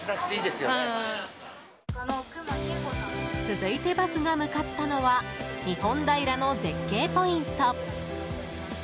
続いてバスが向かったのは日本平の絶景ポイント。